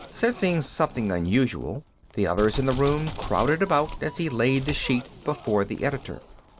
Sensing something unusual the others in the room crowded about as he laid the sheet before the editor.